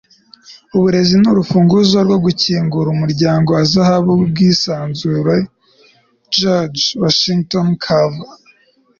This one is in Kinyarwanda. uburezi ni urufunguzo rwo gukingura umuryango wa zahabu w'ubwisanzure. - george washington carver